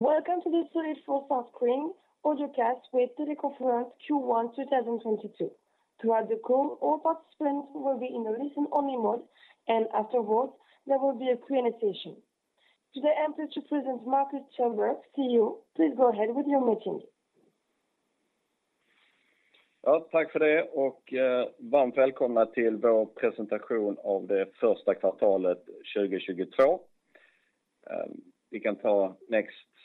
Welcome to the Solid Försäkring audiocast with teleconference Q1 2022. Throughout the call, all participants will be in a listen only mode and afterwards there will be a Q&A session. Today I'm pleased to present Marcus Tillberg, CEO. Please go ahead with your meeting. Ja, tack för det och varmt välkomna till vår presentation av det första kvartalet 2022. Vi kan ta next slide.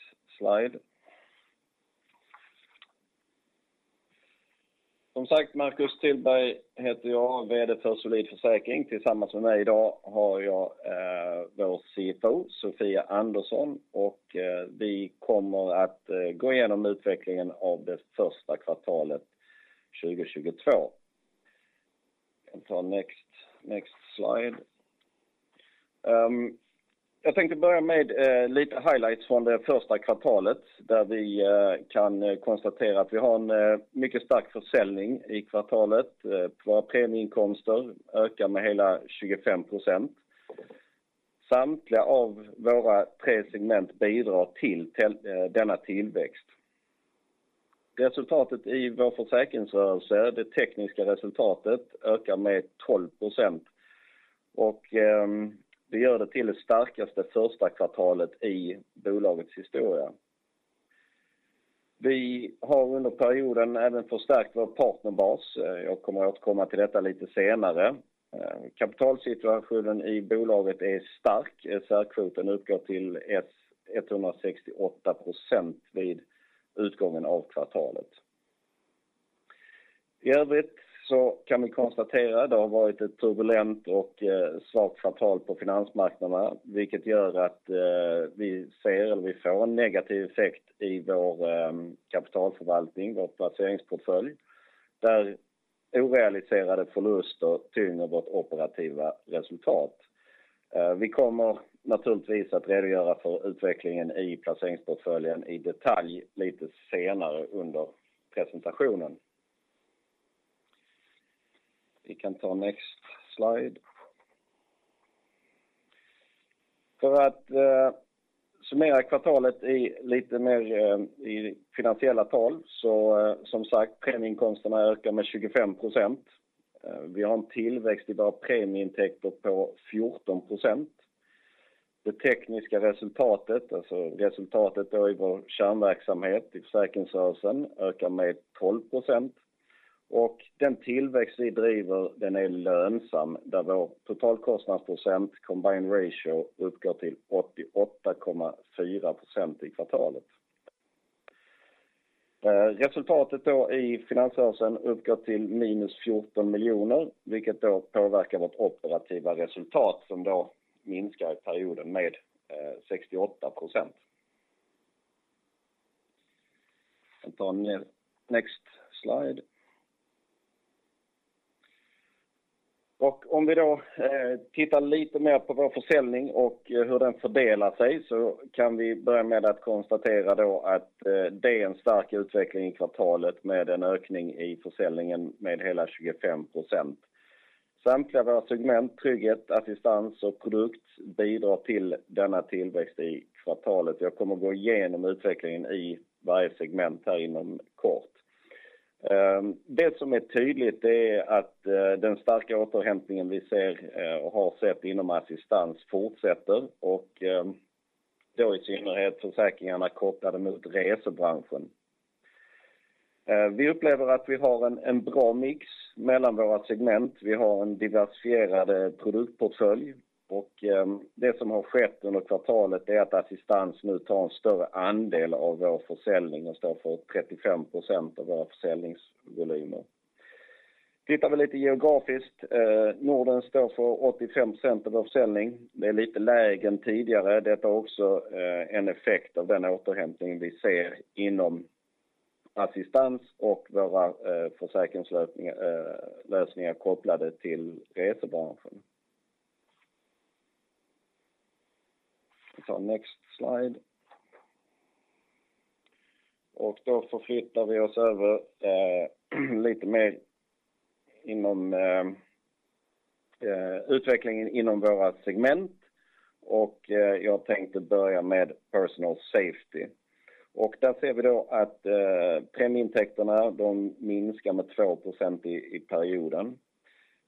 Som sagt, Marcus Tillberg heter jag, VD för Solid Försäkring. Tillsammans med mig i dag har jag vår CFO, Sofia Andersson, och vi kommer att gå igenom utvecklingen av det första kvartalet 2022. Vi kan ta next slide. Jag tänkte börja med lite highlights från det första kvartalet där vi kan konstatera att vi har en mycket stark försäljning i kvartalet. Våra premieinkomster ökar med hela 25%. Samtliga av våra 3 segment bidrar till den, denna tillväxt. Resultatet i vår försäkringsrörelse, det tekniska resultatet, ökar med 12% och det gör det till det starkaste första kvartalet i bolagets historia. Vi har under perioden även förstärkt vår partnerbas. Jag kommer återkomma till detta lite senare. Kapitalsituationen i bolaget är stark. SCR-kvoten uppgår till 168% vid utgången av kvartalet. I övrigt kan vi konstatera det har varit ett turbulent och svagt kvartal på finansmarknaderna, vilket gör att vi ser eller vi får en negativ effekt i vår kapitalförvaltning, vår placeringsportfölj, där orealiserade förluster tynger vårt operativa resultat. Vi kommer naturligtvis att redogöra för utvecklingen i placeringsportföljen i detalj lite senare under presentationen. Vi kan ta next slide. För att summera kvartalet i lite mer finansiella tal. Så som sagt, premieinkomsterna ökar med 25%. Vi har en tillväxt i våra premieintäkter på 14%. Det tekniska resultatet, alltså resultatet i vår kärnverksamhet i försäkringsrörelsen, ökar med 12% och den tillväxt vi driver, den är lönsam där vår totalkostnadprocent, combined ratio, uppgår till 88.4% i kvartalet. Resultatet i finansrörelsen uppgår till -14 miljoner, vilket påverkar vårt operativa resultat som minskar i perioden med 68%. Vi kan ta next slide. Om vi tittar lite mer på vår försäljning och hur den fördelar sig kan vi börja med att konstatera att det är en stark utveckling i kvartalet med en ökning i försäljningen med hela 25%. Samtliga av våra segment, Trygghet, Assistans och Produkt bidrar till denna tillväxt i kvartalet. Jag kommer gå igenom utvecklingen i varje segment här inom kort. Det som är tydligt är att den starka återhämtningen vi ser och har sett inom Assistans fortsätter och i synnerhet försäkringarna kopplade mot resebranschen. Vi upplever att vi har en bra mix mellan våra segment. Vi har en diversifierad produktportfölj och det som har skett under kvartalet är att Assistans nu tar en större andel av vår försäljning och står för 35% av våra försäljningsvolymer. Tittar vi lite geografiskt. Norden står för 85% av vår försäljning. Det är lite lägre än tidigare. Detta är också en effekt av den återhämtningen vi ser inom Assistans och våra försäkringslösningar kopplade till resebranschen. Vi tar next slide. Då förflyttar vi oss över lite mer inom utvecklingen inom våra segment. Jag tänkte börja med Personal Safety. Där ser vi då att premieintäkterna, de minskar med 2% i perioden.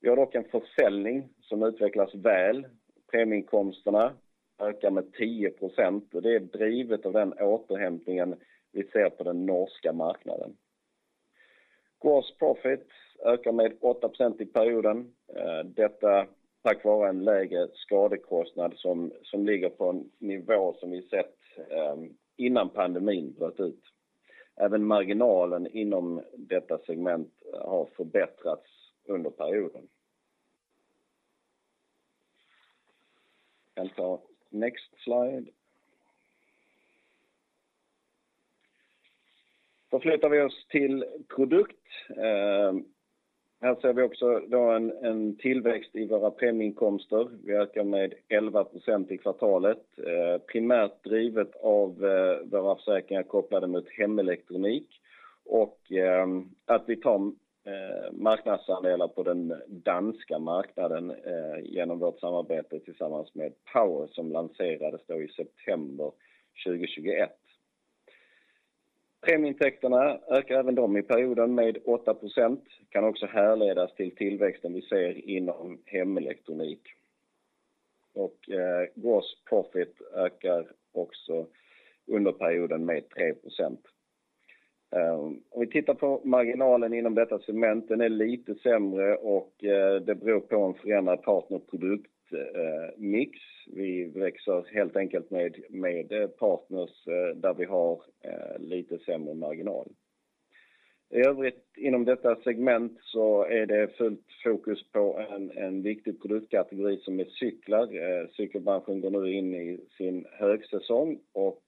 Vi har dock en försäljning som utvecklas väl. Premieinkomsterna ökar med 10% och det är drivet av den återhämtningen vi ser på den norska marknaden. Gross profit ökar med 8% i perioden. Detta tack vare en lägre skadekostnad som ligger på en nivå som vi sett innan pandemin bröt ut. Marginalen inom detta segment har förbättrats under perioden. Jag tar next slide. Förflyttar vi oss till Produkt. Här ser vi också en tillväxt i våra premieinkomster. Vi ökar med 11% i kvartalet. Primärt drivet av våra försäkringar kopplade mot hemelektronik. Vi tar marknadsandelar på den danska marknaden igenom vårt samarbete tillsammans med POWER som lanserades i september 2021. Premieintäkterna ökar även de i perioden med 8% kan också härledas till tillväxten vi ser inom hemelektronik. Gross profit ökar också under perioden med 3%. Om vi tittar på marginalen inom detta segment, den är lite sämre och det beror på en förändrad partner produktmix. Vi växer helt enkelt med partners där vi har lite sämre marginal. I övrigt inom detta segment så är det fullt fokus på en viktig produktkategori som är cyklar. Cykelbranschen går nu in i sin högsäsong och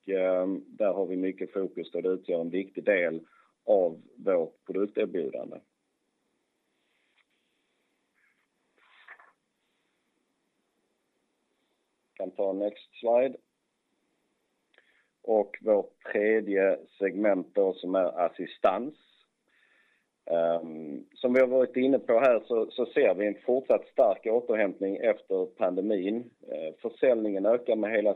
där har vi mycket fokus då det utgör en viktig del av vårt produktofferbjudande. Kan ta next slide. Vårt tredje segment då som är Assistans. Som vi har varit inne på här så ser vi en fortsatt stark återhämtning efter pandemin. Försäljningen ökar med hela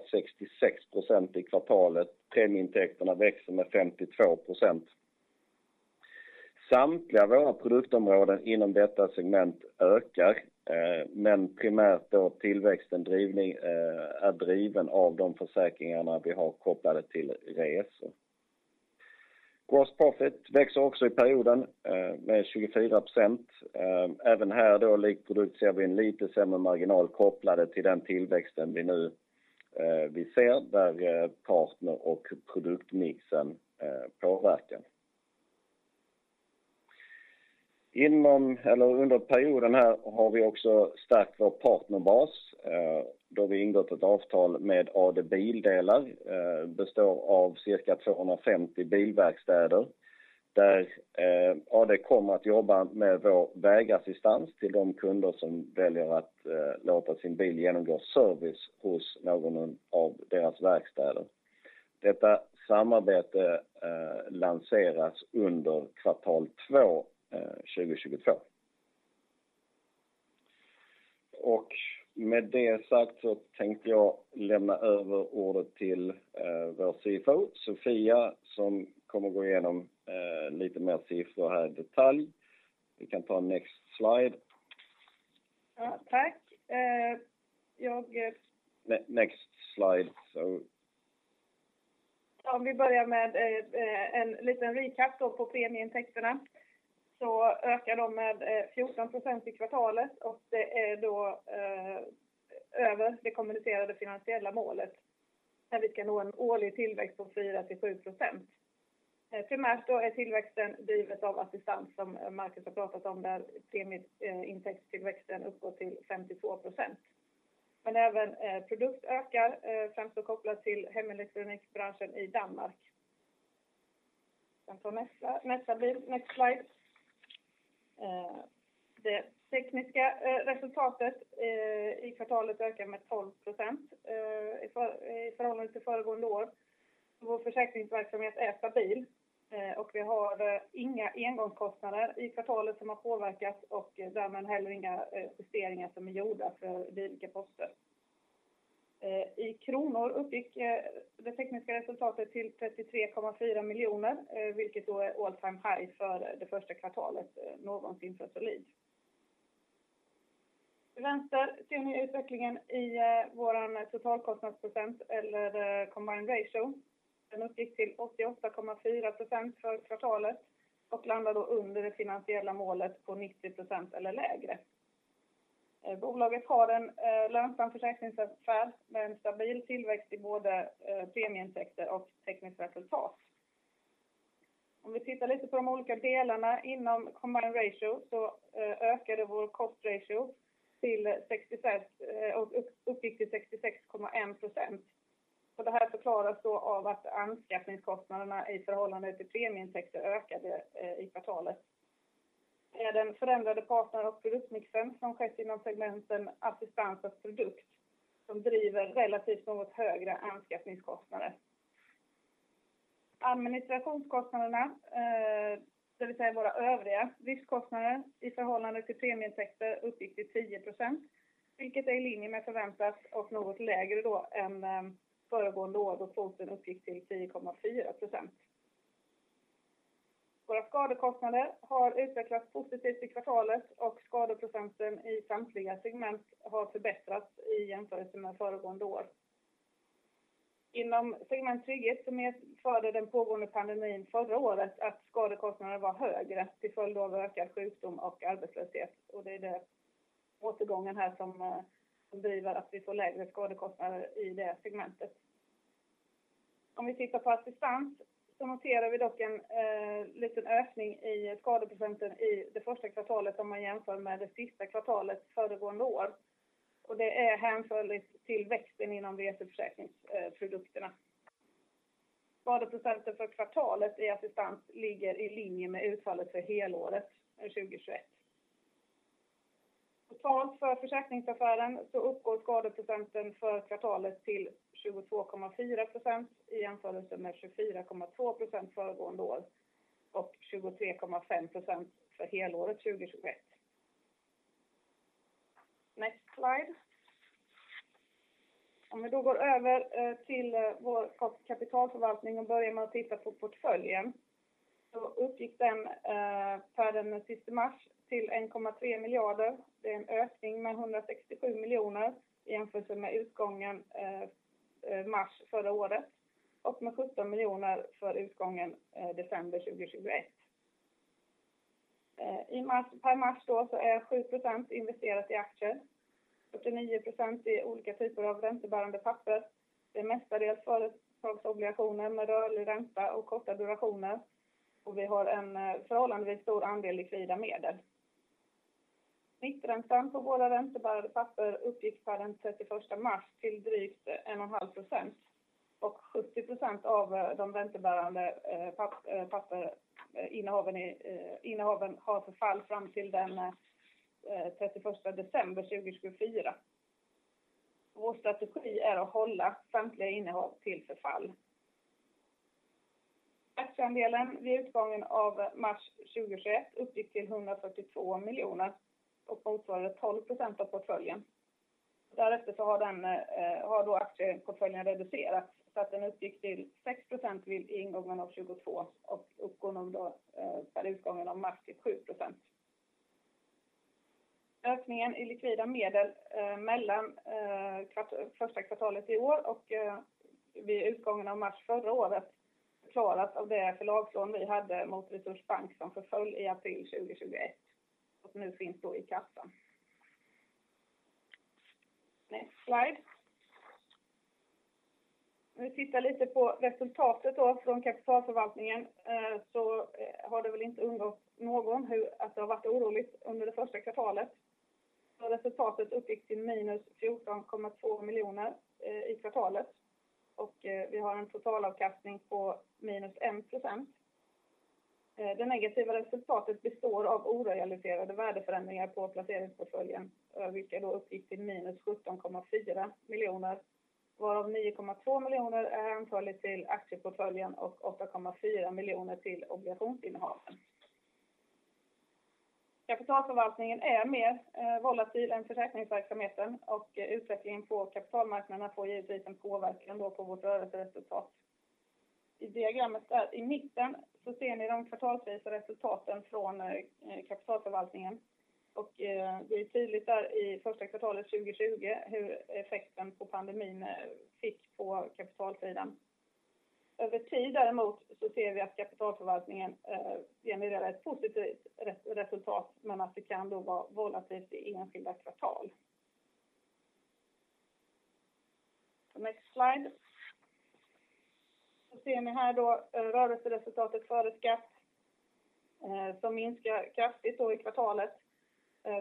66% i kvartalet. Premieintäkterna växer med 52%. Samtliga våra produktområden inom detta segment ökar, men primärt då tillväxten drivning är driven av de försäkringarna vi har kopplade till resor. Gross profit växer också i perioden med 24%. Även här då likt Produkt ser vi en lite sämre marginal kopplade till den tillväxten vi nu vi ser där partner och produktmixen påverkar. Inom eller under perioden här har vi också stärkt vår partnerbas då vi ingått ett avtal med AD Bildelar. Består av cirka 250 bilverkstäder där AD kommer att jobba med vår vägassistans till de kunder som väljer att låta sin bil genomgå service hos någon av deras verkstäder. Detta samarbete lanseras under kvartal två, 2022. Med det sagt så tänkte jag lämna över ordet till vår CFO, Sofia, som kommer gå igenom lite mer siffror här i detalj. Vi kan ta next slide. Ja tack, jag Next slide, sorry. Ja, om vi börjar med en liten recap då på premieintäkterna så ökar de med 14% i kvartalet och det är då över det kommunicerade finansiella målet där vi kan nå en årlig tillväxt på 4%-7%. Primärt då är tillväxten drivet av assistans som Marcus har pratat om där premieintäktstillväxten uppgår till 52%. Men även produkt ökar främst då kopplat till hemelektronikbranschen i Danmark. Vi kan ta nästa bild, next slide. Det tekniska resultatet i kvartalet ökar med 12% i förhållande till föregående år. Vår försäkringsverksamhet är stabil och vi har inga engångskostnader i kvartalet som har påverkat och därmed heller inga justeringar som är gjorda för dylika poster. I kronor uppgick det tekniska resultatet till 33.4 million vilket då är all-time high för det första kvartalet någonsin för Solid Försäkring. Till vänster ser ni utvecklingen i vår totalkostnadsprocent eller combined ratio. Den uppgick till 88.4% för kvartalet och landar då under det finansiella målet på 90% eller lägre. Bolaget har en lönsam försäkringsaffär med en stabil tillväxt i både premieintäkter och tekniskt resultat. Om vi tittar lite på de olika delarna inom combined ratio så ökade vår cost ratio till sextiosex och uppgick till 66.1%. Det här förklaras då av att anskaffningskostnaderna i förhållande till premieintäkter ökade i kvartalet. Det är den förändrade partner- och produktmixen som skett inom segmenten Assistans och Produkt som driver relativt något högre anskaffningskostnader. Administrationskostnaderna, det vill säga våra övriga driftkostnader i förhållande till premieintäkter uppgick till 10%, vilket är i linje med förväntat och något lägre då än föregående år då procenten uppgick till 10.4%. Våra skadekostnader har utvecklats positivt i kvartalet och skadeprocenten i samtliga segment har förbättrats i jämförelse med föregående år. Inom segment Trygghet som är för den pågående pandemin förra året att skadekostnader var högre till följd av ökad sjukdom och arbetslöshet. Det är den återgången här som driver att vi får lägre skadekostnader i det segmentet. Om vi tittar på Assistans så noterar vi dock en liten ökning i skadeprocenten i det första kvartalet om man jämför med det sista kvartalet föregående år. Det är hänförligt till växten inom reseförsäkringsprodukterna. Skadeprocenten för kvartalet i Assistans ligger i linje med utfallet för helåret 2021. Totalt för försäkringsaffären så uppgår skadeprocenten för kvartalet till 22.4% i jämförelse med 24.2% föregående år och 23.5% för helåret 2021. Next slide. Om vi då går över till vår kapitalförvaltning och börjar med att titta på portföljen. Då uppgick den per den 30 mars till 1.3 miljarder. Det är en ökning med 167 miljoner i jämförelse med utgången mars förra året och med 17 miljoner för utgången december 2021. I mars, per mars då så är 7% investerat i aktier, 49% i olika typer av räntebärande papper. Det är mestadels företagsobligationer med rörlig ränta och korta durationer. Och vi har en förhållandevis stor andel likvida medel. Snitträntan på våra räntebärande papper uppgick per den 31 mars till drygt 1.5%. Och 70% av de räntebärande papperinnehaven har förfall fram till den 31 december 2024. Vår strategi är att hålla samtliga innehav till förfall. Aktieandelen vid utgången av mars 2021 uppgick till 142 miljoner och motsvarade 12% av portföljen. Därefter har då aktieportföljen reducerats så att den uppgick till 6% vid ingången av 2022 och uppgår nog då per utgången av mars till 7%. Ökningen i likvida medel mellan första kvartalet i år och vid utgången av mars förra året förklaras av det förlagslån vi hade mot Resurs Bank som förföll i april 2021 och nu finns då i kassan. Next slide. Om vi tittar lite på resultatet då från kapitalförvaltningen så har det väl inte undgått någon hur, att det har varit oroligt under det första kvartalet. Resultatet uppgick till -14.2 miljoner i kvartalet och vi har en totalavkastning på -1%. Det negativa resultatet består av orealiserade värdeförändringar på placeringsportföljen, vilka då uppgick till -17.4 miljoner, varav 9.2 miljoner är attribuellt till aktieportföljen och 8.4 miljoner till obligationsinnehav. Kapitalförvaltningen är mer volatil än försäkringsverksamheten och utvecklingen på kapitalmarknaderna får givetvis en påverkan då på vårt rörelseresultat. I diagrammet där i mitten så ser ni de kvartalsvisa resultaten från kapitalförvaltningen. Det är tydligt där i första kvartalet 2020 hur effekten av pandemin fick på kapitalsidan. Över tid däremot så ser vi att kapitalförvaltningen genererar ett positivt resultat, men att det kan då vara volatilt i enskilda kvartal. Next slide. Ser ni här rörelseresultatet före skatt som minskar kraftigt då i kvartalet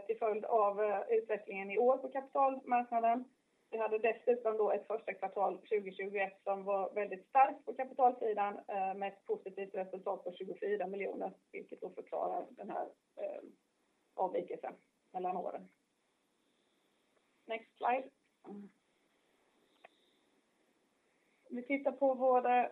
till följd av utvecklingen i år på kapitalmarknaden. Vi hade dessutom då ett första kvartal 2021 som var väldigt starkt på kapitalsidan med ett positivt resultat på 24 million, vilket då förklarar den här avvikelsen mellan åren. Next slide. Om vi tittar på vår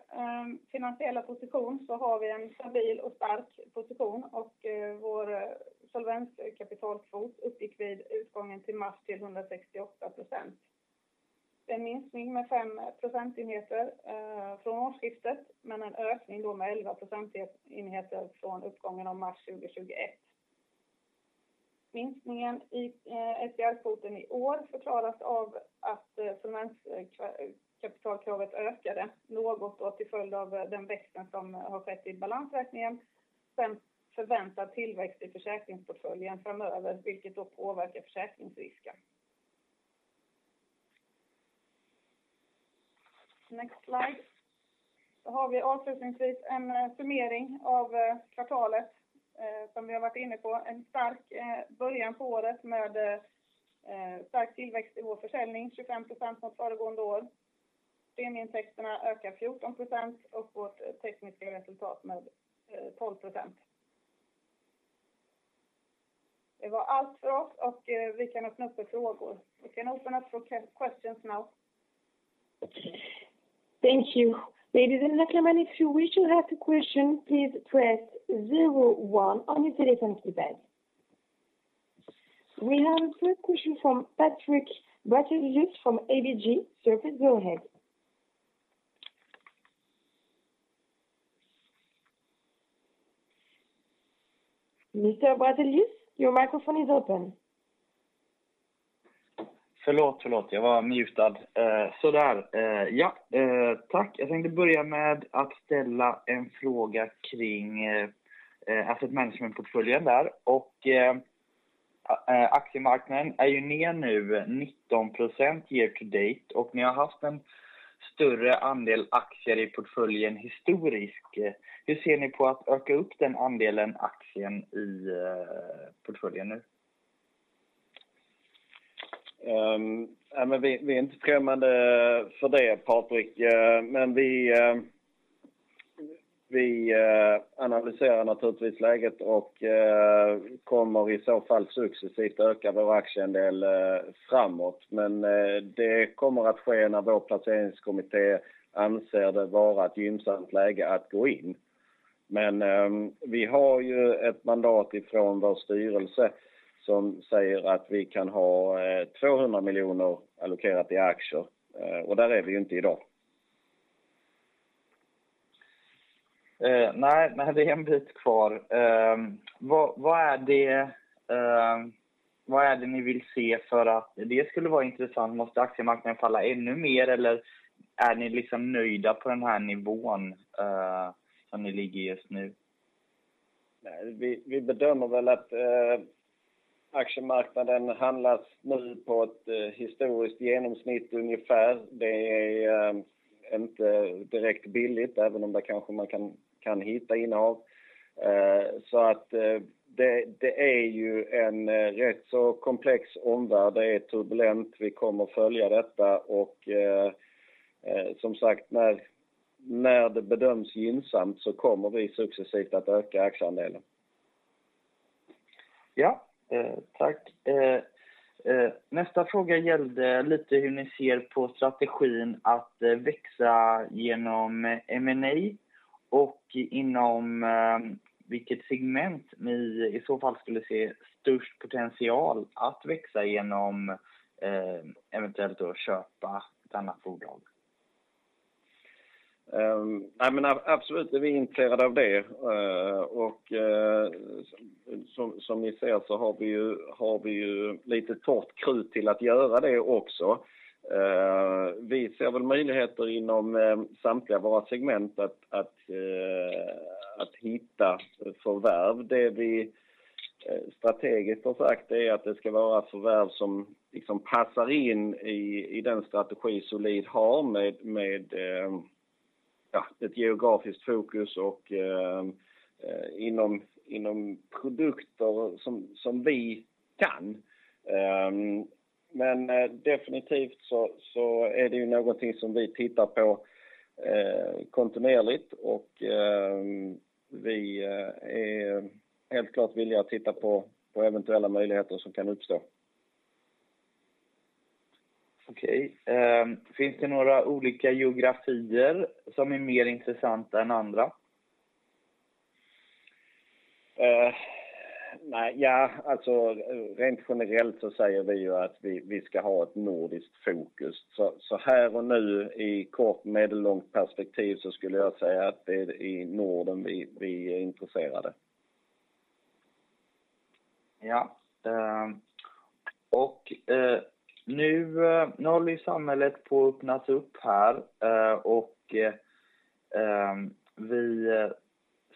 finansiella position så har vi en stabil och stark position och vår solvenskapitalkvot uppgick vid utgången till mars till 168%. Det är en minskning med 5 procentenheter från årsskiftet, men en ökning då med 11 procentenheter från utgången av mars 2021. Minskningen i SCR-kvoten i år förklaras av att solvenskapitalkravet ökade något då till följd av den växten som har skett i balansräkningen. Sen förväntad tillväxt i försäkringsportföljen framöver, vilket då påverkar försäkringsrisken. Next slide. Då har vi avslutningsvis en summering av kvartalet som vi har varit inne på. En stark början på året med stark tillväxt i vår försäljning, 25% mot föregående år. Premieintäkterna ökar 14% och vårt tekniska resultat med 12%. Det var allt för oss och vi kan öppna upp för frågor. We can open up for questions now. Thank you. Ladies and gentlemen, if you wish to ask a question, please press zero one on your telephone keypad. We have a first question from Patrik Brattelius from ABG. Please go ahead. Mr. Bratellius, your microphone is open. Förlåt, jag var muted. Sådär. Ja, tack. Jag tänkte börja med att ställa en fråga kring asset management-portföljen där. Aktiemarknaden är ju ner nu 19% year to date och ni har haft en större andel aktier i portföljen historiskt. Hur ser ni på att öka upp den andelen aktier i portföljen nu? Vi är inte främmande för det, Patrik. Vi analyserar naturligtvis läget och kommer i så fall successivt öka vår aktieandel framåt. Det kommer att ske när vår placeringskommitté anser det vara ett gynnsamt läge att gå in. Vi har ju ett mandat ifrån vår styrelse som säger att vi kan ha 200 million allokerat i aktier och där är vi inte i dag. Nej, det är en bit kvar. Vad är det ni vill se för att det skulle vara intressant? Måste aktiemarknaden falla ännu mer eller är ni liksom nöjda på den här nivån som ni ligger i just nu? Nej, vi bedömer väl att aktiemarknaden handlas nu på ett historiskt genomsnitt ungefär. Det är inte direkt billigt, även om det kanske man kan hitta innehav. Så att det är ju en rätt så komplex omvärld. Det är turbulent. Vi kommer följa detta och som sagt, när det bedöms gynnsamt så kommer vi successivt att öka aktieandelen. Ja, tack. Nästa fråga gällde lite hur ni ser på strategin att växa igenom M&A och inom vilket segment ni i så fall skulle se störst potential att växa igenom eventuellt då att köpa ett annat bolag. Nej men absolut är vi intresserade av det. Som ni ser så har vi ju lite torrt krut till att göra det också. Vi ser väl möjligheter inom samtliga våra segment att hitta förvärv. Det vi strategiskt har sagt är att det ska vara förvärv som liksom passar in i den strategi Solid har med ja, ett geografiskt fokus och inom produkter som vi kan. Definitivt så är det ju någonting som vi tittar på kontinuerligt och vi är helt klart villiga att titta på eventuella möjligheter som kan uppstå. Okej. Finns det några olika geografier som är mer intressanta än andra? Nej, ja alltså rent generellt så säger vi ju att vi ska ha ett nordiskt fokus. Här och nu i kort medellångt perspektiv så skulle jag säga att det är i Norden vi är intresserade. Ja. Nu håller ju samhället på att öppnas upp här och vi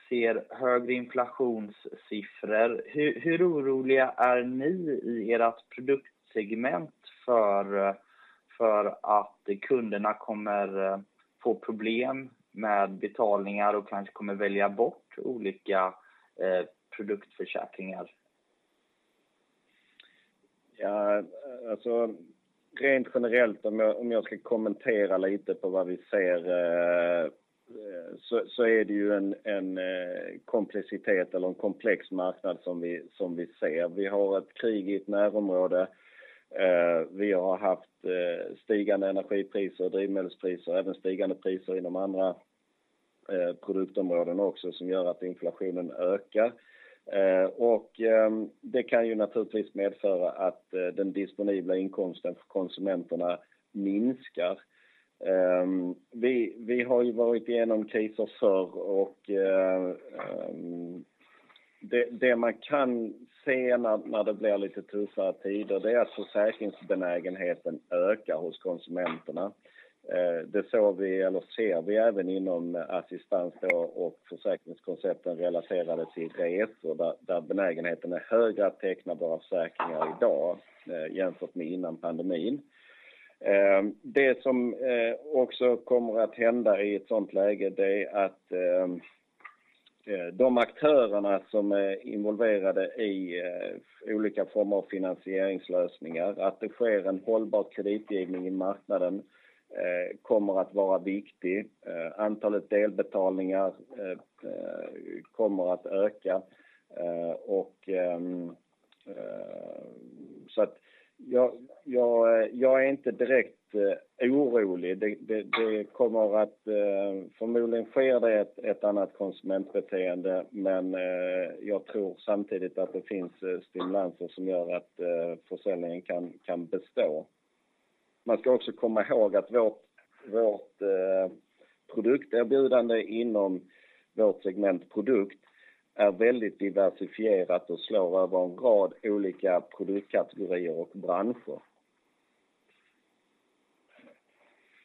ser högre inflationssiffror. Hur oroliga är ni i ert Produktsegment för att kunderna kommer få problem med betalningar och kanske kommer välja bort olika Produktförsäkringar? Ja alltså rent generellt, om jag ska kommentera lite på vad vi ser så är det ju en komplexitet eller en komplex marknad som vi ser. Vi har ett krig i ett närområde. Vi har haft stigande energipriser, drivmedelspriser, även stigande priser inom andra produktområden också som gör att inflationen ökar. Det kan ju naturligtvis medföra att den disponibla inkomsten för konsumenterna minskar. Vi har ju varit igenom kriser förr och det man kan se när det blir lite tuffare tider, det är att försäkringsbenägenheten ökar hos konsumenterna. Det såg vi eller ser vi även inom Assistans och försäkringskoncepten relaterade till resor där benägenheten är högre att teckna våra försäkringar i dag jämfört med innan pandemin. Det som också kommer att hända i ett sådant läge, det är att de aktörerna som är involverade i olika former av finansieringslösningar, att det sker en hållbar kreditgivning i marknaden kommer att vara viktigt. Antalet delbetalningar kommer att öka. Och så att jag är inte direkt orolig. Det kommer att förmodligen ske ett annat konsumentbeteende, men jag tror samtidigt att det finns stimulanser som gör att försäljningen kan bestå. Man ska också komma ihåg att vårt produkterbjudande inom vårt segment Produkt är väldigt diversifierat och slår över en rad olika produktkategorier och branscher.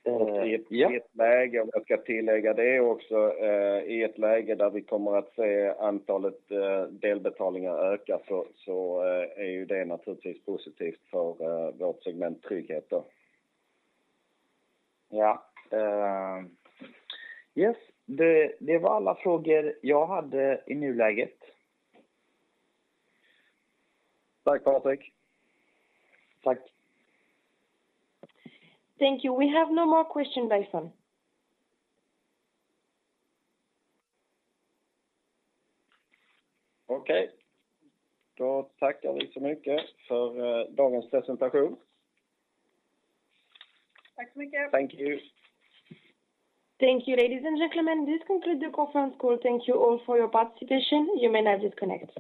Och i ett läge, om jag ska tillägga det också, i ett läge där vi kommer att se antalet delbetalningar öka så är ju det naturligtvis positivt för vårt segment Trygghet då. Ja. Yes, det var alla frågor jag hade i nuläget. Tack Patrik. Tack. Thank you. We have no more questions by phone. Okej, då tackar vi så mycket för dagens presentation. Tack så mycket. Thank you. Thank you ladies and gentlemen. This concludes the conference call. Thank you all for your participation. You may now disconnect.